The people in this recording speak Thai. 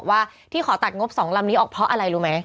ว่าที่ขอตัดงบ๒ลำนี้ออกเพราะอะไรรู้ไหม